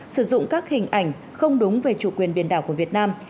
sử dụng các hình ảnh không đúng về chủ quyền biển đảo của việt nam